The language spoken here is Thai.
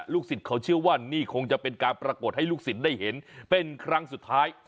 สิทธิ์เขาเชื่อว่านี่คงจะเป็นการปรากฏให้ลูกศิษย์ได้เห็นเป็นครั้งสุดท้าย